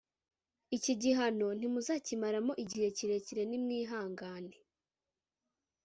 Iki gihano ntimuzakimaramo igihe kirekire nimwihangane